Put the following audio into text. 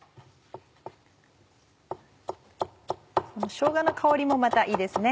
しょうがの香りもまたいいですね。